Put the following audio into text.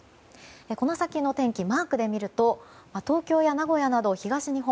この先のお天気をマークで見ると東京や名古屋など東日本